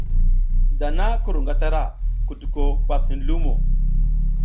Dana ki ru ngatara, kutuko pas hin lumo.